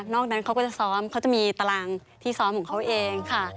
นั้นเขาก็จะซ้อมเขาจะมีตารางที่ซ้อมของเขาเองค่ะ